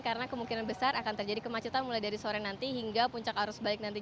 karena kemungkinan besar akan terjadi kemacetan mulai dari sore nanti hingga puncak arus balik nanti